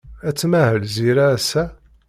Ad tmahel Zira ass-a?